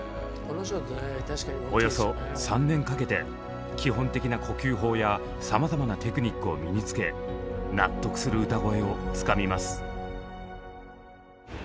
およそ３年かけて基本的な呼吸法やさまざまなテクニックを身につけ納得する歌声をつかみます。